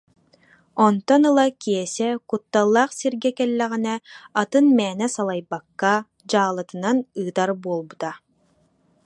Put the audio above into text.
Онтон ыла Киэсэ кутталлаах сиргэ кэллэҕинэ, атын мээнэ салайбакка дьаалатынан ыытар буолбута